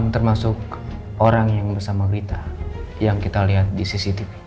termasuk orang yang bersama berita yang kita lihat di cctv